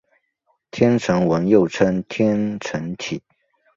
天城文又称天城体。